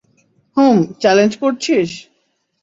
হুম, challenge করছিস।